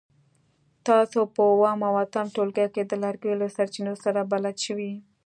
تاسو په اووم او اتم ټولګي کې د لرګیو له سرچینو سره بلد شوي.